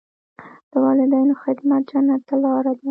د والدینو خدمت جنت ته لاره ده.